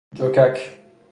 جوکک